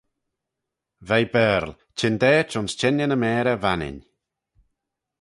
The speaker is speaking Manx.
Veih Baarle, çhyndaait ayns çhengey ny mayrey Vannin.